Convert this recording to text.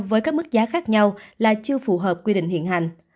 với các mức giá khác nhau là chưa phù hợp quy định hiện hành